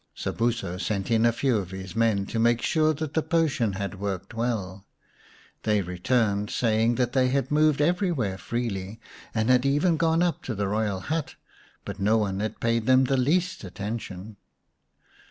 Sobuso sent in a few of his men to make sure that the potion had worked well. They returned, saying that they had moved everywhere freely, and had even gone up to the royal hut, but no one had paid them the least attention.